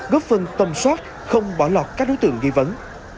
góp phần tầm soát không bỏ lọt các đối tượng nghi vấn